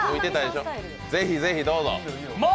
ぜひぜひどうぞ。